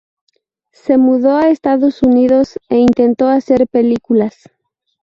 Se mudó a Estados Unidos e intentó hacer películas.